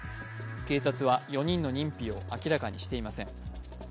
警察は４人の認否を明らかにしていません。